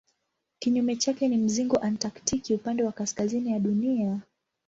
Kinyume chake ni mzingo antaktiki upande wa kaskazini ya Dunia.